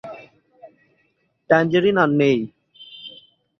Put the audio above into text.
Tangerine আর নেই।